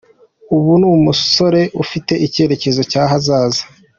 Ubu ni umusore ufite icyerecyezo cy’ahazaza.